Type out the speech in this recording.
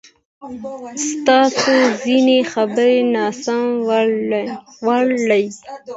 ستاسو څخه خير نسم وړلای